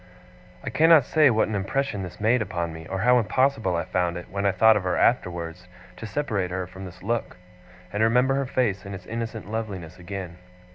I cannot say what an impression this made upon me, or how impossible I found it, when I thought of her afterwards, to separate her from this look, and remember her face in its innocent loveliness again.